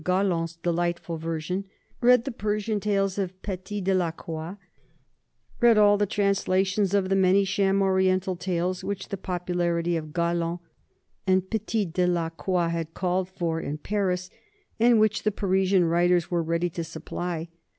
Galland's delightful version; read the Persian tales of Petit de la Croix; read all the translations of the many sham Oriental tales which the popularity of Galland and Petit de la Croix had called for in Paris, and which the Parisian writers were ready to supply.